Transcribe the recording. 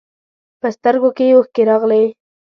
په سترګو کې یې اوښکې راغلې.